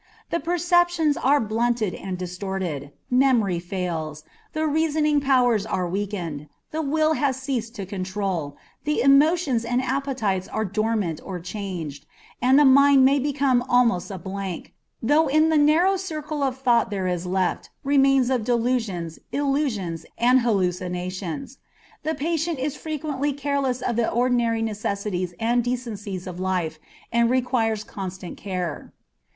The perceptions are blunted and distorted, memory fails, the reasoning powers are weakened, the will has ceased to control, the emotions and appetites are dormant or changed, and the mind may become almost a blank, though in the narrow circle of thought there is left remains of delusions, illusions, and hallucinations. The patient is frequently careless of the ordinary necessities and decencies of life, and requires constant care.